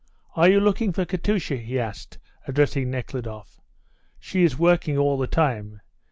"Are you looking for Katusha?" he asked, addressing Nekhludoff. "She is working all the time.